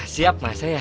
siap mas ya